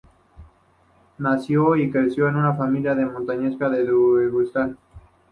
Nació y creció en una familia de montañeses de Daguestán.